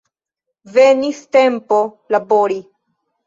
Venis tempo labori.